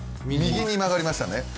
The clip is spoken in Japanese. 右に曲がりましたね